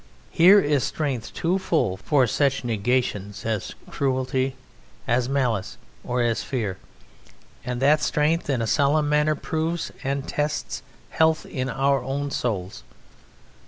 Here is strength too full for such negations as cruelty, as malice, or as fear; and that strength in a solemn manner proves and tests health in our own souls.